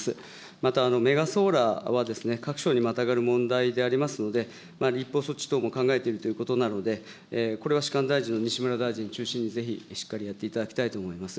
またメガソーラーは、各省にまたがる問題でありますので、立法措置等も考えているということなので、これは主管大臣の西村大臣を中心にぜひしっかりやっていただきたいと思います。